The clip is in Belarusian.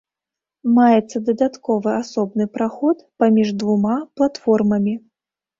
Маецца дадатковы асобны праход паміж двума платформамі.